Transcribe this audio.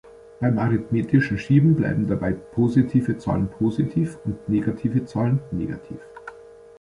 Beim arithmetischen Schieben bleiben dabei positive Zahlen positiv und negative Zahlen negativ.